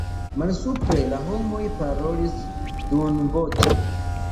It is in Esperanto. Malsupre la homoj parolis duonvoĉe.